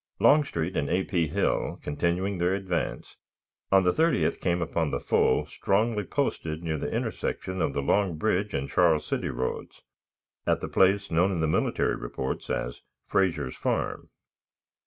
Longstreet and A. P. Hill, continuing their advance, on the 30th came upon the foe strongly posted near the intersection of the Long Bridge and Charles City roads, at the place known in the military reports as Frazier's Farm.